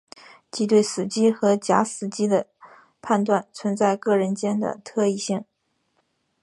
即对死机和假死机的判断存在各人间的特异性。